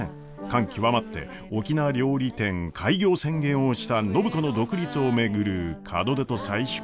感極まって沖縄料理店開業宣言をした暢子の独立を巡る門出と再出発のあれやこれや。